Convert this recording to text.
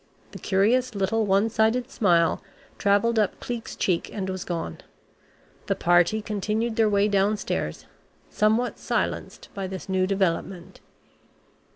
The curious little one sided smile travelled up Cleek's cheek and was gone. The party continued their way downstairs, somewhat silenced by this new development.